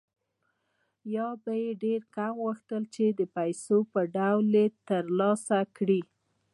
یا به یې ډېر کم غوښتل چې د پیسو په ډول یې ترلاسه کړي